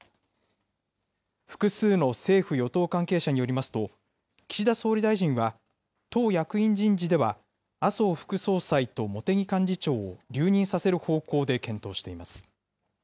複数の政府・与党関係者によりますと、岸田総理大臣は、党役員人事では、麻生副総裁と茂木幹事長を留任させる方向で検討しています。